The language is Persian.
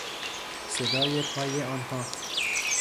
صدای پای آنها